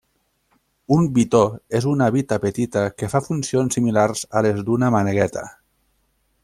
Un bitó és una bita petita que fa funcions similars a les d'una manegueta.